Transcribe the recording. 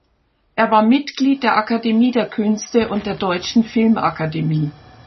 Er war Mitglied der Akademie der Künste und der Deutschen Filmakademie.